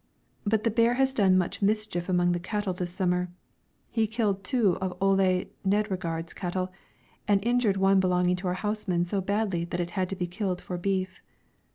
But the bear has done much mischief among the cattle this summer: he killed two of Ole Nedregard's cattle and injured one belonging to our houseman so badly that it had to be killed for beef.